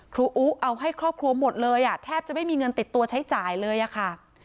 อุ๊เอาให้ครอบครัวหมดเลยอ่ะแทบจะไม่มีเงินติดตัวใช้จ่ายเลยอะค่ะ